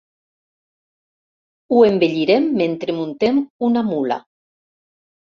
Ho embellirem mentre muntem una mula.